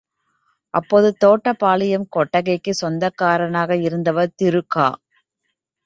அப்போது தோட்டப்பாளையம் கொட்டகைக்குச் சொந்தக்காரராக இருந்தவர் திரு க.